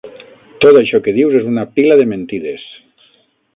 Tot això que dius és una pila de mentides!